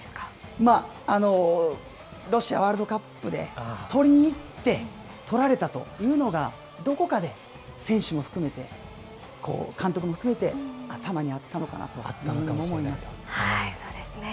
まあ、ロシアワールドカップで、取りにいって取られたというのが、どこかで選手も含めて、監督も含めて頭にあったのかなと思そうですね。